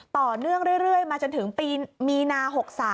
ต่อเนื่องเรื่อยมาจนถึงปีมีนา๖๓